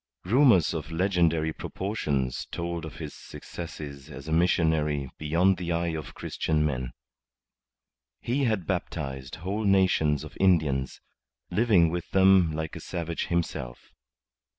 Rumours of legendary proportions told of his successes as a missionary beyond the eye of Christian men. He had baptized whole nations of Indians, living with them like a savage himself.